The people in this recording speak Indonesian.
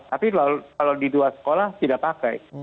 tapi kalau di dua sekolah tidak pakai